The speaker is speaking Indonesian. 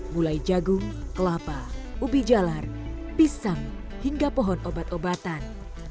mulai jagung kelapa ubi jalar pisang hingga pohon obat obatan